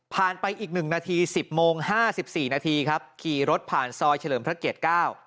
ไปอีกหนึ่งนาที๑๐โมง๕๔นาทีครับขี่รถผ่านซอยเฉลิมพระเกียรติ๙